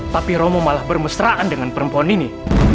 tapi romo malah bermesraan dengan perempuan ini